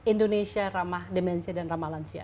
indonesia ramah dimensi dan ramah lansia